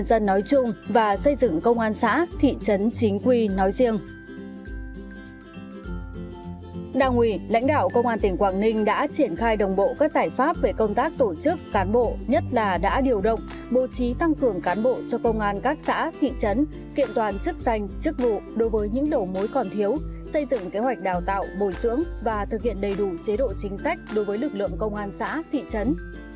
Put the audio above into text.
đảng ủy lãnh đạo công an tỉnh quảng ninh đã triển khai đồng bộ các giải pháp về công tác tổ chức cán bộ nhất là đã điều động bố trí tăng cường cán bộ cho công an các xã thị trấn kiện toàn chức danh chức vụ đối với những đổ mối còn thiếu xây dựng kế hoạch đào tạo bồi dưỡng và thực hiện đầy đủ chế độ chính sách đối với lực lượng công an xã thị trấn